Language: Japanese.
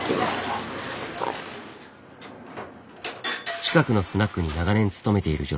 近くのスナックに長年勤めている女性。